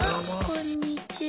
こんにちは。